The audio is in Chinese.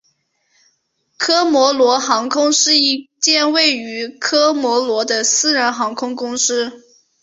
科摩罗航空是一间位于科摩罗的私人航空公司。